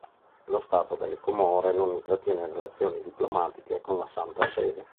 Lo Stato delle Comore non intrattiene relazioni diplomatiche con la Santa Sede.